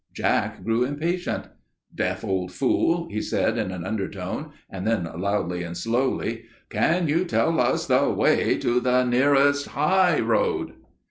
"Jack grew impatient. "'Deaf old fool!' he said in an undertone, and then loudly and slowly, 'Can you tell us the way to the nearest high road?